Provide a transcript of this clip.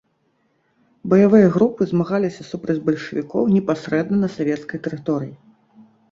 Баявыя групы змагаліся супраць бальшавікоў непасрэдна на савецкай тэрыторыі.